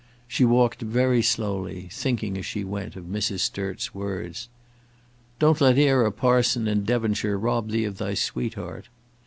She walked very slowly, thinking as she went of Mrs. Sturt's words "Don't let ere a parson in Devonshire rob thee of thy sweetheart."